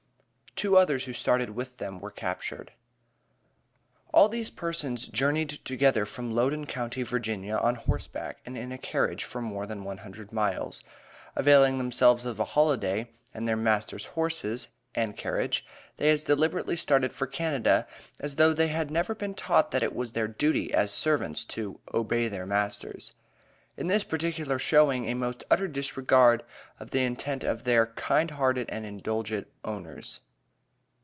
(TWO OTHERS WHO STARTED WITH THEM WERE CAPTURED.) All these persons journeyed together from Loudon Co., Va. on horseback and in a carriage for more than one hundred miles. Availing themselves of a holiday and their master's horses and carriage, they as deliberately started for Canada, as though they had never been taught that it was their duty, as servants, to "obey their masters." In this particular showing a most utter disregard of the interest of their "kind hearted and indulgent owners."